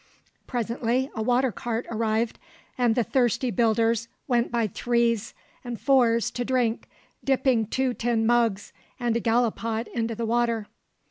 Presently a water cart arrived, and the thirsty builders went by threes and fours to drink, dipping two tin mugs and a gallipot in the water.